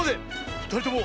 ふたりとも